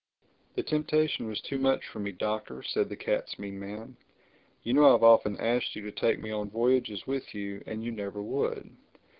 "The temptation was too much for me, Doctor," said the cat's meat man. "You know I've often asked you to take me on voyages with you and you never would.